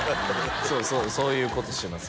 そうそういうことします